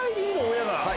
親が。